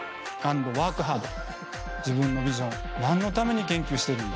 自分のビジョン何のために研究しているんだ。